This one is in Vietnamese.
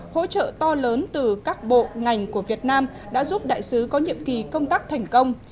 hỗ trợ to lớn từ các bộ ngành của việt nam đã giúp đại sứ có nhiệm kỳ công tác thành công